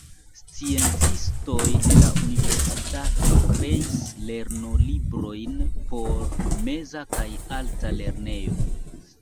Sciencistoj de la universitato kreis lernolibrojn por meza kaj alta lernejo.